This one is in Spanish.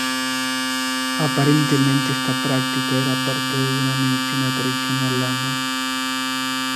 Aparentemente esta práctica era parte de una medicina tradicional lama.